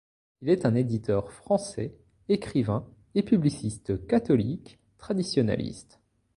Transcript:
Il est un éditeur français, écrivain et publiciste catholique traditionaliste.